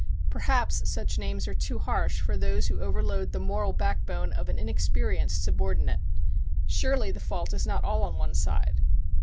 Perhaps such names are too harsh for those who overload the moral backbone of an inexperienced subordinate. Surely the fault is not all on one side.